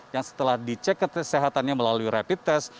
yang setelah dicek kesehatannya melalui rapid test